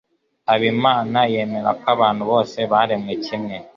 Habimana yemera ko abantu bose baremwe kimwe.